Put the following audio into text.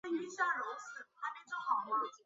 哈尔滨飞机工业中国航空工业集团旗下一员。